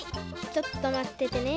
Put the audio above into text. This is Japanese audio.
ちょっとまっててね。